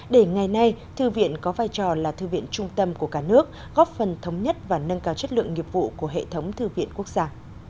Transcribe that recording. để ngày nay thư viện có vai trò là thư viện trung tâm của cả nước góp phần thống nhất và nâng cao chất lượng nghiệp vụ của hệ thống thư viện quốc gia